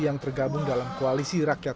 yang tergabung dalam koalisi rakyat